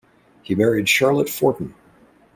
He married Charlotte Forten.